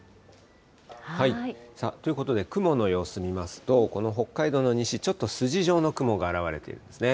ということで、雲の様子見ますと、この北海道の西、ちょっと筋状の雲が現れていますね。